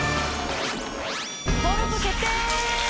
登録決定！